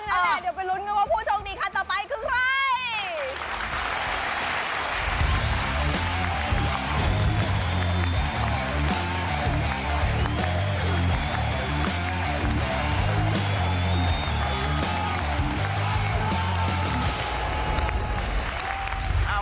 นั่นแหละเดี๋ยวไปลุ้นกันว่าผู้โชคดีคันต่อไปคือใคร